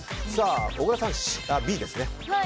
小倉さん、Ｂですね。